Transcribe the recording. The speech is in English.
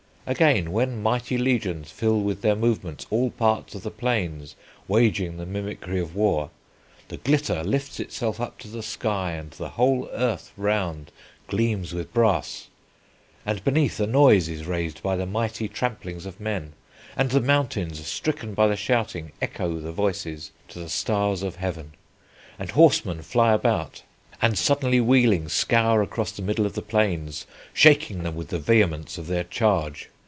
Again, when mighty legions fill with their movements all parts of the plains, waging the mimicry of war, the glitter lifts itself up to the sky, and the whole earth round gleams with brass, and beneath a noise is raised by the mighty tramplings of men, and the mountains, stricken by the shouting, echo the voices to the stars of heaven, and horsemen fly about, and suddenly wheeling, scour across the middle of the plains, shaking them with the vehemence of their charge.